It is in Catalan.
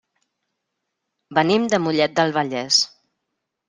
Venim de Mollet del Vallès.